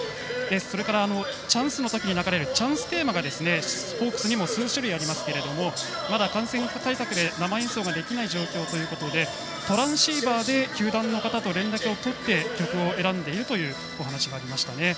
それからチャンスのときに流れるチャンステーマがホークスにも数種類ありますがまだ感染対策で生演奏ができない状況ということでトランシーバーで球団の方と連絡をとって曲を選んでいるというお話もありました。